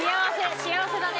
幸せだね。